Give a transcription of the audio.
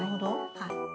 はい。